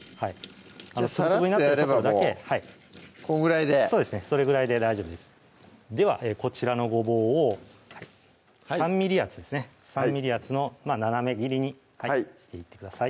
さらっとやればもうこのぐらいでそうですねそれぐらいで大丈夫ですではこちらのごぼうを３ｍｍ厚ですね３ｍｍ厚の斜め切りにしていってください